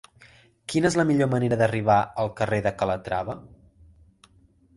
Quina és la millor manera d'arribar al carrer de Calatrava?